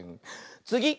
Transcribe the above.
つぎ！